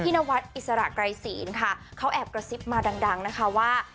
นวัดอิสระไกรศีลค่ะเขาแอบกระซิบมาดังนะคะว่า